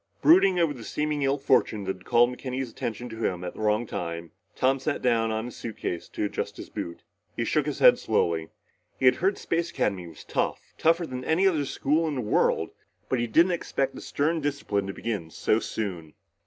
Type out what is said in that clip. Brooding over the seeming ill fortune that had called McKenny's attention to him at the wrong time, Tom sat down on his suitcase to adjust his boot. He shook his head slowly. He had heard Space Academy was tough, tougher than any other school in the world, but he didn't expect the stern discipline to begin so soon.